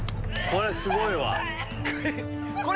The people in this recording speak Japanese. これすごいわ。